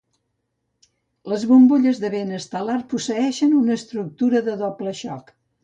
Les bombolles de vent estel·lar posseeixen una estructura de doble xoc.